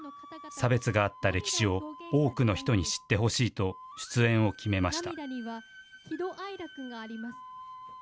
差別があった歴史を多くの人に知ってほしいと出演を決めました。